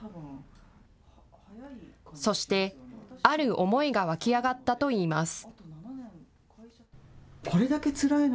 そして、ある思いが湧き上がったといいます。